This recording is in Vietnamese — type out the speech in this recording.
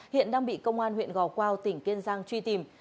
hiện đang bị công an huyện gò quao tỉnh kiên giang truy tìm